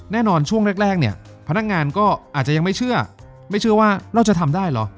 ช่วงแรกเนี่ยพนักงานก็อาจจะยังไม่เชื่อไม่เชื่อว่าเราจะทำได้เหรอ